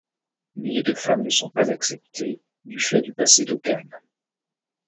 Mais les deux femmes ne sont pas acceptées du fait du passé d'Okane.